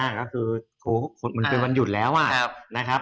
ก็คือมันเป็นวันหยุดแล้วนะครับ